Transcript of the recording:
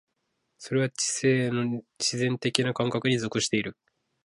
それは知性の自然的な感覚に属している。